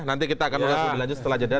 nanti kita akan berhasil berlanjut setelah jeda